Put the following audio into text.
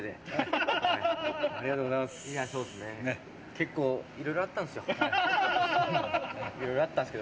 結構、いろいろあったんですよ。